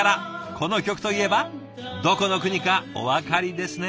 この曲といえばどこの国かおわかりですね？